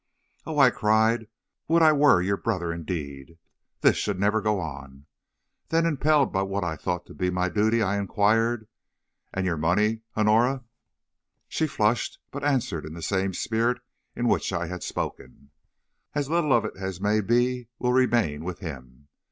"'Oh,' I cried, 'would I were your brother indeed! This should never go on.' Then impelled by what I thought to be my duty, I inquired: 'And your money, Honora?' "She flushed, but answered in the same spirit in which I had spoken. "'As little of it as may be will remain with him.